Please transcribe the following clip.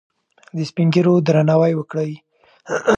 د سپین ږیرو درناوی وکړئ.